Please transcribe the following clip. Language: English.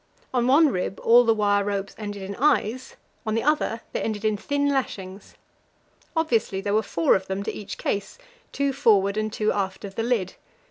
On one rib all the wire ropes ended in eyes; on the other they ended in thin lashings. Obviously there were four of them to each case two forward and two aft of the lid.